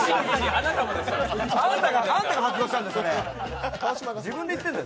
あなたが発動したんだ、それ。